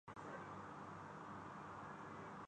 Vietnam کے سفیر کا اسلام باد چیمبر کامرس کا دورہ